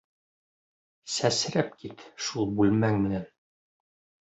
Сәсрәп кит шул бүлмәң менән!